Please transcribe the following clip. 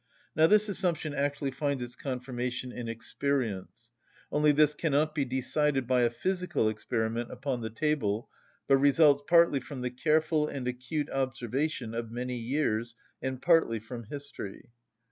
Now this assumption actually finds its confirmation in experience; only this cannot be decided by a physical experiment upon the table, but results partly from the careful and acute observation of many years, and partly from history.